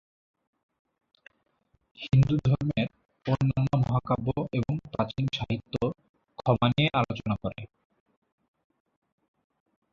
হিন্দু ধর্মের অন্যান্য মহাকাব্য এবং প্রাচীন সাহিত্য ক্ষমা নিয়ে আলোচনা করে।